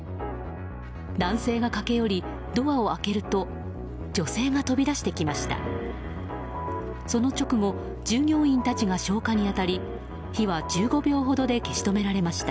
男性が駆け寄り、ドアを開けると女性が飛び出してきました。